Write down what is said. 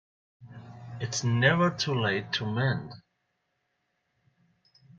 It's never too late to mend.